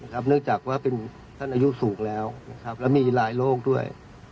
ครับเนื่องจากว่าพี่สุ่งแล้วครับแล้วมีรายโลกด้วย